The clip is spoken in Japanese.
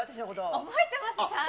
覚えてます、ちゃんと。